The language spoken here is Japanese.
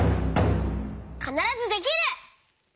「かならずできる」！